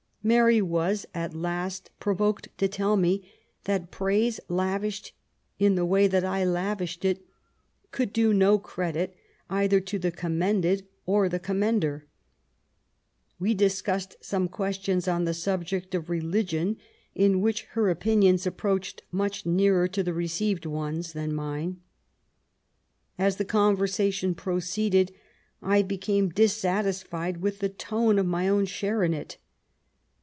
Mary was at last provoked to tell me that praise, lavished in the way that I lavished it, could do no credit either to the commended or the commender. We discussed some questions on the subject of religion, in which her opinions approached much nearer to the received ones than mine. As the conversation proceeded, I be came dissatisfied with the tone of my own share in it.